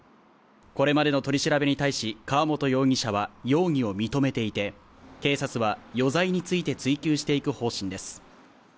これまでの取り調べに対し、川本容疑者は容疑を認めていて、警察は余罪について追及していく方針です。